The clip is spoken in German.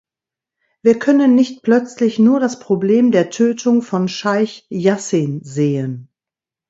Wir können nicht plötzlich nur das Problem der Tötung von Scheich Jassin sehen.